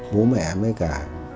bố mẹ với cả